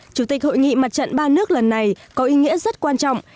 chủ tịch hội nghị mặt trận ba nước lần này có ý nghĩa rất quan trọng